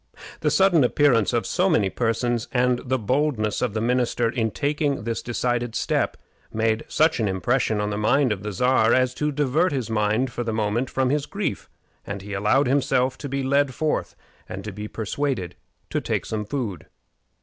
The sudden appearance of so many persons, and the boldness of the minister in taking this decided step, made such an impression on the mind of the Czar as to divert his mind for the moment from his grief, and he allowed himself to be led forth and to be persuaded to take some food.